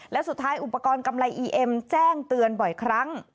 และสุดท้ายอุปกรณ์กำไรอีเอ็มแจ้งเตือนบ่อยครั้ง